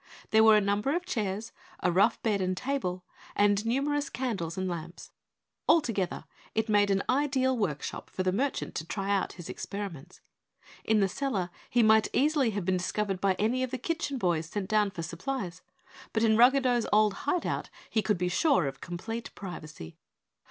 There were a number of chairs, a rough bed and table, and numerous candles and lamps. Altogether it made an ideal workshop for the merchant to try out his experiments. In the cellar he might easily have been discovered by any of the kitchen boys sent down for supplies, but in Ruggedo's old hideout he could be sure of complete privacy.